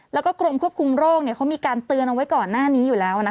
แล้วก็กรมควบคุมโรคเขามีการเตือนเอาไว้ก่อนหน้านี้อยู่แล้ว